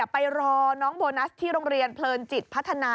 ไปรอน้องโบนัสที่โรงเรียนเพลินจิตพัฒนา